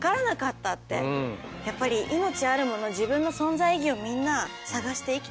やっぱり命あるもの自分の存在意義をみんな探して生きてるんだ